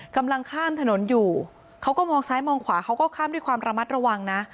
กำลังข้ามถนนอยู่เขาก็มองซ้ายมองขวาเขาก็ข้ามด้วยความระมัดระวังนะ